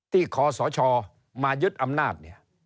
ที่คศมายึดอำนาจ